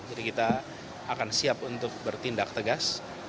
jadi kita akan siap untuk bertindak tegas